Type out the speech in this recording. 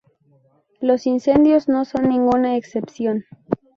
Los incendios no son ninguna excepción.